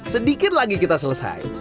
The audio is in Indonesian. sedikit lagi kita selesai